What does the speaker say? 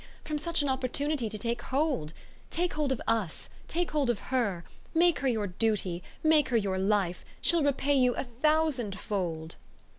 from such an opportunity to take hold. Take hold of US take hold of HER. Make her your duty make her your life: she'll repay you a thousand fold!"